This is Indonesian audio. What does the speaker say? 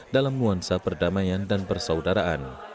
dalam nuansa perdamaian dan persaudaraan